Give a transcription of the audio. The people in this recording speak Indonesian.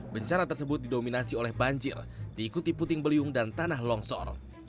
bencana tersebut didominasi oleh banjir diikuti puting beliung dan tanah longsor